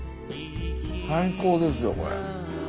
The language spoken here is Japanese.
最高ですよこれ。